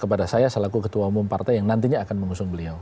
kepada saya selaku ketua umum partai yang nantinya akan mengusung beliau